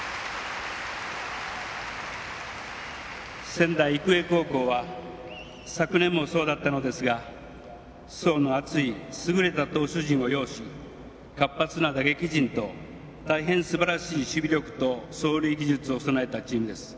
仙台育英高校は昨年もそうだったのですが層の厚い優れた投手陣を擁し活発な打撃陣と大変すばらしい守備力と走塁技術を備えたチームです。